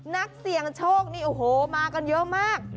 นักเสี่ยงโชคนี่โอ้โหมากันเยอะมาก